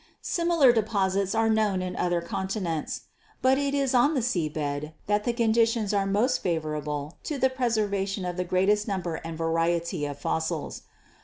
Similar deposits are known in other continents. But it is on the sea bed that the conditions are most favorable to the preservation of the greatest number and variety of fossils.